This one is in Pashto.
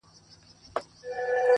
جانان پاته پر وطن زه یې پرېښودم یوازي-